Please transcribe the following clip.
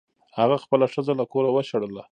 هغه خپله ښځه له کوره وشړله.